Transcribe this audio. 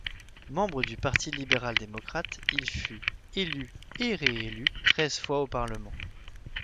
Membre du Parti libéral démocrate, il fut, élu et réélu treize fois au parlement.